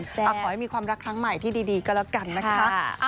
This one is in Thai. ขอให้มีความรักครั้งใหม่ที่ดีก็แล้วกันนะคะ